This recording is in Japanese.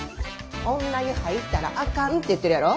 女湯入ったらあかんて言ってるやろ。